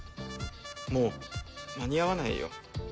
もう間に合わないよ。